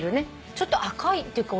ちょっと赤いっていうか。